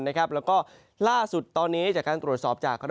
แล้วก็ล่าสุดตอนนี้อาจจะถือสอบจาก